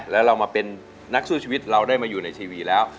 แล้วเรามาเป็นนักสู้ชีวิตเราได้มาอยู่ในทีวีแล้ว